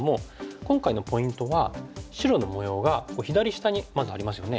今回のポイントは白の模様が左下にまずありますよね。